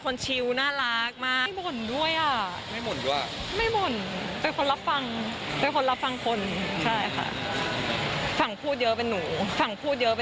เราไม่มีถอยหลัง